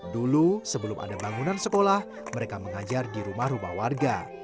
dulu sebelum ada bangunan sekolah mereka mengajar di rumah rumah warga